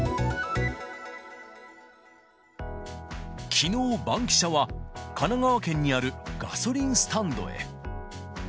きのう、バンキシャは神奈川県にあるガソリンスタンドへ。